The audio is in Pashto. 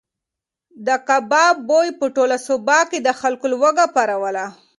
د کباب بوی په ټوله سوبه کې د خلکو لوږه پاروله.